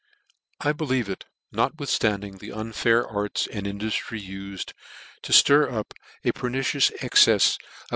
<f I believe it, notwithstanding the unfair arts induftry ufed, to ftir up a pernicious excefs of I.